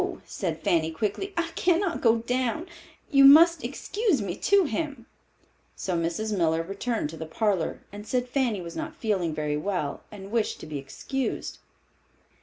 said Fanny, quickly. "I cannot go down. You must excuse me to him." So Mrs. Miller returned to the parlor, and said Fanny was not feeling very well and wished to be excused.